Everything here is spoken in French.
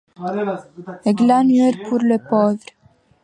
Glanure pour le pauvre.